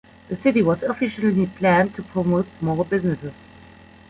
The city was officially planned to promote small businesses.